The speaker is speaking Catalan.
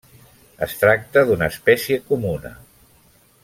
Es tracta d'una espècie comuna.